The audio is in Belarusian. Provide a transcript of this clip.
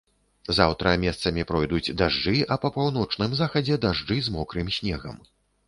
Заўтра месцамі пройдуць дажджы, а па паўночным захадзе дажджы з мокрым снегам.